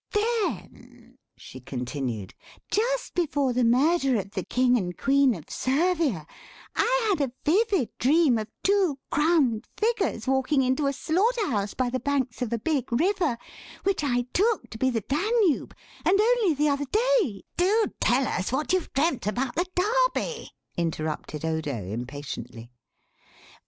"Then," she continued, "just before the murder of the King and Queen of Servia I had a vivid dream of two crowned figures walking into a slaughter house by the banks of a big river, which I took to be the Danube; and only the other day—" "Do tell us what you've dreamt about the Derby," interrupted Odo impatiently.